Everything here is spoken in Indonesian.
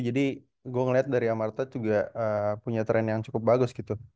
jadi gue ngelihat dari amar tahang juga punya tren yang cukup bagus gitu